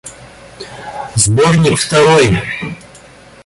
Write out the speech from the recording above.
Сборник второй.